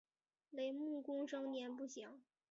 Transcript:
雷彦恭生年不详。